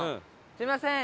すみません。